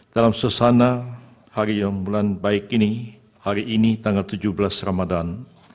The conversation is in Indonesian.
dalam sesana hari yang mulai baik ini hari ini tanggal tujuh belas ramadhan